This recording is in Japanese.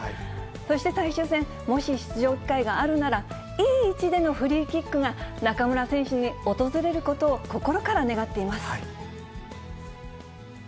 そして最終戦、もし出場機会があるなら、いい位置でのフリーキックが、中村選手に訪れることを心から願っています。